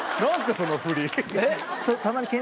その振り。